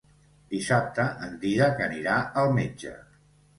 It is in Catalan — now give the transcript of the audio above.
Dissabte en Dídac anirà al metge.